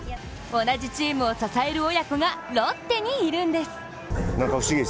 同じチームを支える親子がロッテにいるんです。